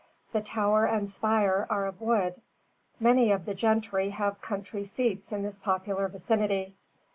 The tower and spire are of wood. Many of the gentry have country seats in this popular vicinity.